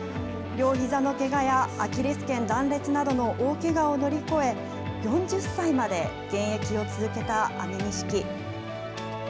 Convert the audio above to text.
両ひざのけがやアキレスけん断裂などの大けがを乗り越え、４０歳まで現役を続けた安美錦。